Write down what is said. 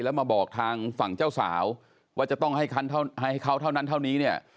แล้วมาบอกทางฝั่งเจ้าสาวว่าจะต้องให้เขาเท่านั้นเท่านี้เนี่ย